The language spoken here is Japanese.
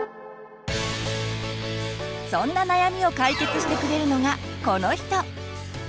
そんな悩みを解決してくれるのがこの人！